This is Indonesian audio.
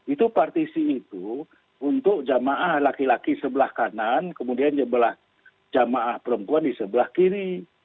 itu partisi itu untuk jamaah laki laki sebelah kanan kemudian jamaah perempuan di sebelah kiri